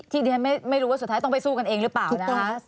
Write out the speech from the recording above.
ดิฉันไม่รู้ว่าสุดท้ายต้องไปสู้กันเองหรือเปล่านะคะ